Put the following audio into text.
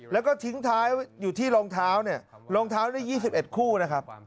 แล้วก็ทิ้งท้ายอยู่ที่รองเท้าเนี่ยรองเท้าได้๒๑คู่นะครับ